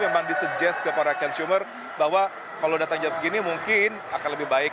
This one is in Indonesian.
memang di sudgest kepada consumer bahwa kalau datang jam segini mungkin akan lebih baik